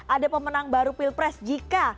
ada pemenang baru pilpres jika